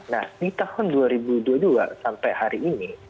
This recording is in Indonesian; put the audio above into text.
nah di tahun dua ribu dua puluh dua sampai hari ini